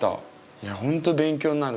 いやほんと勉強になる。